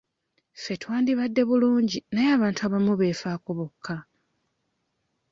Ffenna twandibadde bulungi naye abantu abamu beefaako bokka.